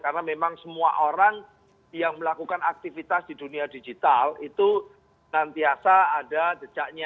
karena memang semua orang yang melakukan aktivitas di dunia digital itu nantiasa ada jejaknya